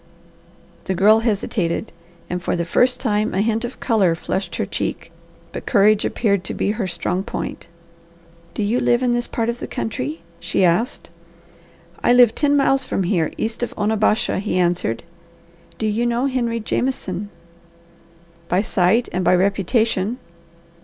The Girl hesitated and for the first time a hint of colour flushed her cheek. But courage appeared to be her strong point. "Do you live in this part of the country?" she asked. "I live ten miles from here, east of Onabasha," he answered. "Do you know Henry Jameson?" "By sight and by reputation."